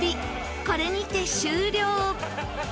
これにて終了！